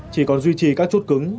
chỉ còn duy trì các chút cứng